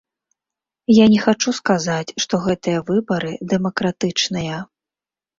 Я не хачу сказаць, што гэтыя выбары дэмакратычныя.